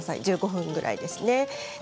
１５分ぐらいですね。